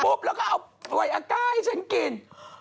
แล้วก็เอาไหวอากาศให้ฉันกิน